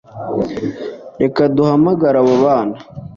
reka duhamagare abo bana